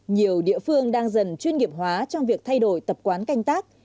nhiều địa phương đang dần chuyên nghiệp hóa trong việc thay đổi tập quán canh tác